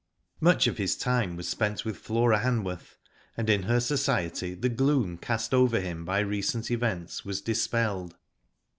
Much of his time was spent with Flora Han worth, and in her society the gloom cast over him by recent events was dispelled.